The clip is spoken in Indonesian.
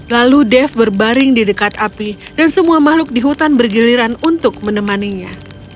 lalu dev berbaring di dekat api dan semua makhluk di hutan bergiliran untuk menemaninya